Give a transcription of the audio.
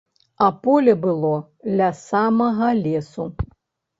А поле было ля самага лесу.